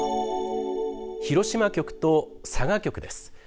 広島局と佐賀局です。